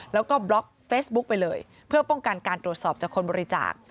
แล้วก็บล็อกเฟซบุ๊กไปเลยเพื่อป้องกันการตรวจสอบจากคนบริจาค